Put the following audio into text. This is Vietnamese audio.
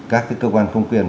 các cái cơ quan không quyền